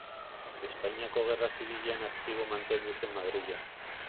Espainiako Gerra Zibilean aktibo mantendu zen Madrilen.